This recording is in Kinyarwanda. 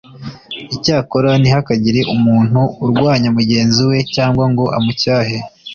icyakora ntihakagire umuntu urwanya mugenzi we cyangwa ngo amucyahe